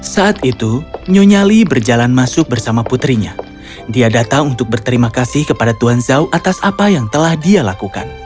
saat itu nyonyali berjalan masuk bersama putrinya dia datang untuk berterima kasih kepada tuan zhao atas apa yang telah dia lakukan